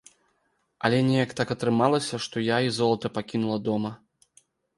Але неяк так атрымалася, што я і золата пакінула дома.